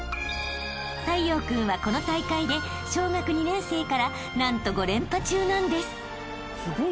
［太陽君はこの大会で小学２年生から何と５連覇中なんです］